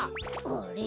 あれ？